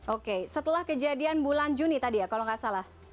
oke setelah kejadian bulan juni tadi ya kalau nggak salah